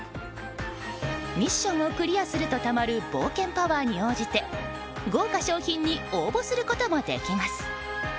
ミッションをクリアするとたまる冒険パワーに応じて豪華賞品に応募することもできます。